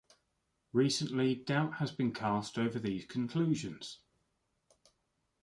Recently, doubt has been cast over these conclusions.